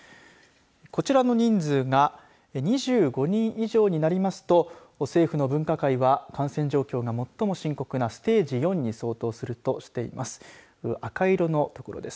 こちらの人数が２５人以上になりますと政府の分科会は感染状況が最も深刻なステージ４に相当するとしています。